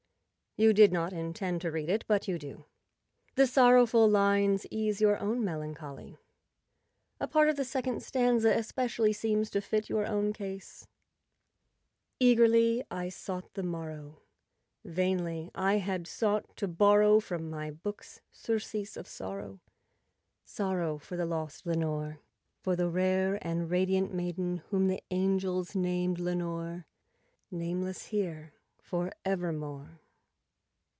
You did not intend to read it, but you do. The sorrowful lines ease your own melancholy. A part of the second stanza especially seems to fit your own case— "Eagerly I sought the morrow;—vainly I had sought to borrow From my books surcease of sorrow—sorrow for the lost Lenore— For the rare and radiant maiden whom the angels named Lenore— [ 56 ] Nameless here for evermore."